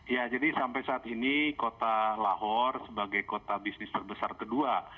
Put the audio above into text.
ya jadi sampai saat ini kota lahore sebagai kota bisnis terbesar kedua